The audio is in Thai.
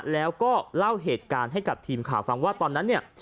แล้วก็เล่าเหตุการณ์ให้กับทีมข่าวฟังว่าตอนนั้นเนี่ย